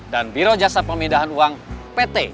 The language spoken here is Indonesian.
dan biro jasa pemindahan uang pt